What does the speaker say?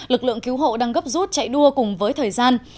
lực lượng cứu hộ đang gấp rút chạy đua cùng với thời gian